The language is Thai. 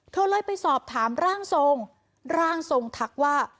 เธอเลยไปสอบถามร่างทรงร่างทรงทักว่า